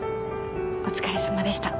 お疲れさまでした。